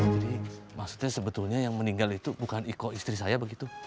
jadi maksudnya sebetulnya yang meninggal itu bukan iko istri saya begitu